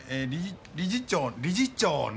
理事長理事長の。